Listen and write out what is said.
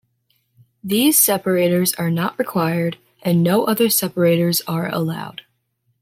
These separators are not required, and no other separators are allowed.